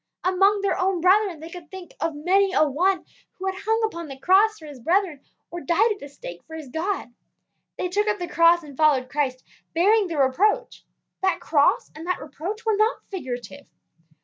Among their own brethren they could think of many a one who had hung upon the cross for his brethren or died at the stake for his God. They took up the cross and followed Christ, bearing the reproach. That cross and that reproach were not figurative.